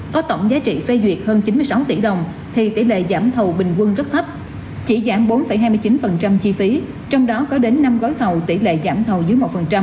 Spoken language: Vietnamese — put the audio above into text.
có tổng giá trị phê duyệt hơn chín mươi sáu tỷ đồng thì tỷ lệ giảm thầu bình quân rất thấp chỉ giảm bốn hai mươi chín chi phí trong đó có đến năm gói thầu tỷ lệ giảm thầu dưới một